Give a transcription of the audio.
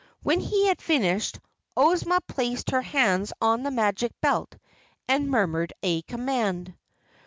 When he had finished, Ozma placed her hands on the Magic Belt and murmured a command.